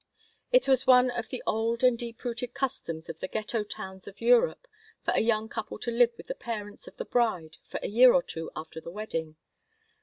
It is one of the old and deep rooted customs of the Ghetto towns of Europe for a young couple to live with the parents of the bride for a year or two after the wedding.